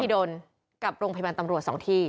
กับโรงพยาบาลตำรวจ๒ที่